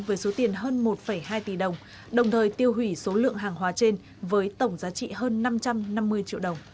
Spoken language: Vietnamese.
với số tiền hơn một hai tỷ đồng đồng thời tiêu hủy số lượng hàng hóa trên với tổng giá trị hơn năm trăm năm mươi triệu đồng